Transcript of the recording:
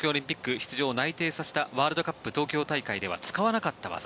出場を内定させたワールドカップ東京大会では使わなかった技。